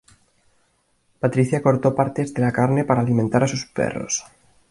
Patricia cortó partes de la carne para alimentar a sus perros.